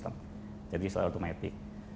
contoh yang ke dua yang hal kecil tentang quality